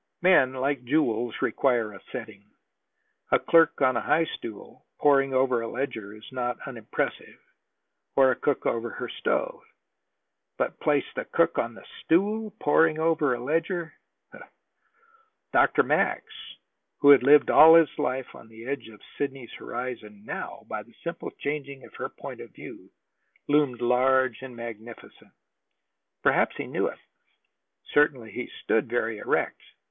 Men, like jewels, require a setting. A clerk on a high stool, poring over a ledger, is not unimpressive, or a cook over her stove. But place the cook on the stool, poring over the ledger! Dr. Max, who had lived all his life on the edge of Sidney's horizon, now, by the simple changing of her point of view, loomed large and magnificent. Perhaps he knew it. Certainly he stood very erect.